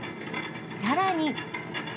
さらに。